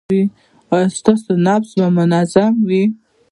ایا ستاسو نبض به منظم وي؟